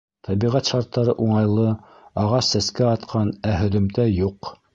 Тәбиғәт шарттары уңайлы, ағас сәскә атҡан, ә һөҙөмтә юҡ.